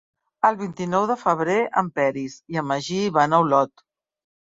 El vint-i-nou de febrer en Peris i en Magí van a Olot.